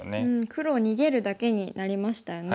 黒逃げるだけになりましたよね。